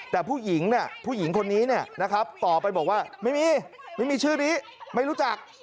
แต่ผู้หญิงคนนี้ตอบไปบอกว่าไม่มีไม่มีชื่อนี้ไม่รู้จัก